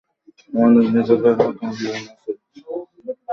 আমাদের নিজেদেরও তো জীবন আছে।